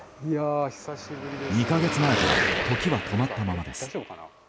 ２か月前から時は止まったままです。